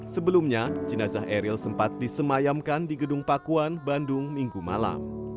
sebelumnya jenazah eril sempat disemayamkan di gedung pakuan bandung minggu malam